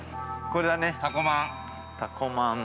これだね、「たこまん」。